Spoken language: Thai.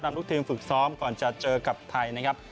ทุกทีมฝึกซ้อมก่อนจะเจอกับไทยนะครับ